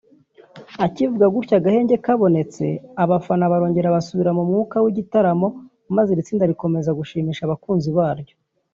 Akivuga gutyo agahenge kabonetse abafana barongera basubira mu mwuka w’igitaramo maze iri tsinda rikomeza gushimisha abakunzi baryo